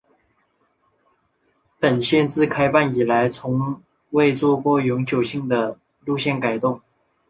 本线自开办以来从未做过永久性的路线改动。